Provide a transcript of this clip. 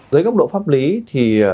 dưới góc độ pháp lý thì